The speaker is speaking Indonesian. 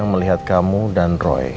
kami tidak akan melahirkan grup kecil kami